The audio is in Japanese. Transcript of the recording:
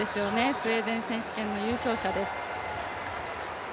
スウェーデン選手権の優勝者です。